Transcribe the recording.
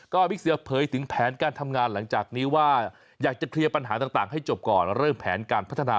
ก็บิ๊กเสือเผยถึงแผนการทำงานหลังจากนี้ว่าอยากจะเคลียร์ปัญหาต่างให้จบก่อนเริ่มแผนการพัฒนา